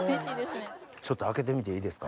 ちょっと開けてみていいですか？